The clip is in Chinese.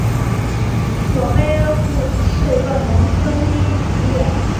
苏索洛夫卡农村居民点是俄罗斯联邦沃洛格达州大乌斯秋格区所属的一个农村居民点。